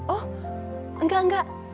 oh enggak enggak